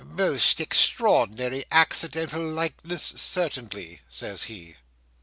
"A most extraordinary accidental likeness, certainly," says he.